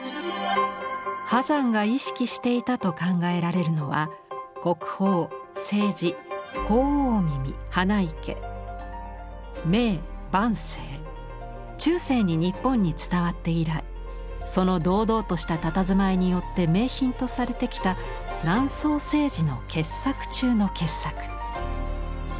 波山が意識していたと考えられるのは中世に日本に伝わって以来その堂々としたたたずまいによって名品とされてきた南宋青磁の傑作中の傑作。